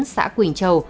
xã quỳnh châu